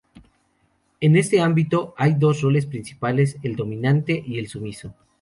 En este ámbito, hay dos roles principales: el dominante y el sumiso.